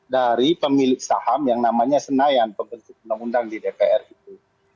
dari pemilik saham yang namanya senayan pembentuk undang undang di dpr itu